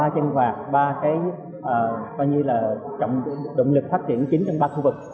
ba chân vạc ba cái coi như là động lực phát triển chính trong ba khu vực